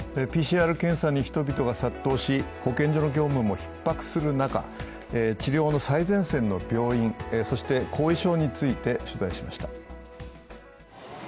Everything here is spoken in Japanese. ＰＣＲ検査に人々が殺到し、保健所の業務もひっ迫する中、治療の最前線の病院、そして後遺症について取材しました。